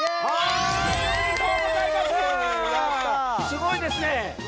すごいですね！